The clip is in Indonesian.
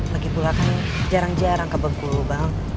begitulah kan jarang jarang ke bengkulu bang